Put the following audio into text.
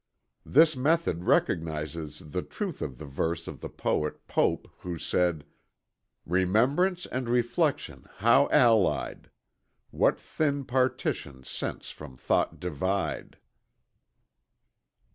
This method recognizes the truth of the verse of the poet, Pope, who said: "Remembrance and reflection how allied! What thin partitions sense from thought divide!"